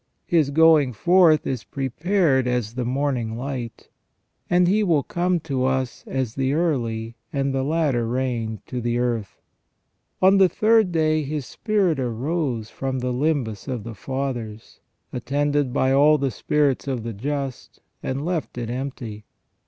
His going forth is prepared as the morning light, and He will come to us as the early and the latter rain to the earth." * On the third day His spirit arose from the limbus of the Fathers, attended by all the spirits of the just, and left it empty.